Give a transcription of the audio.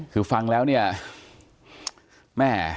คือฟังแล้วเนี่ยแม่